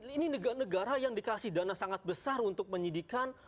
ini negara yang dikasih dana sangat besar untuk menyidikan